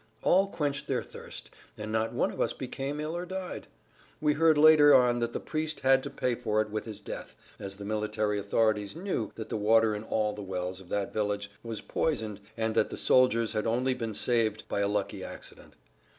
All quenched their thirst, and not one of us became ill or died. We heard later on that the priest had to pay for it with his death, as the military authorities "knew" that the water in all the wells of that village was poisoned and that the soldiers had only been saved by a lucky accident.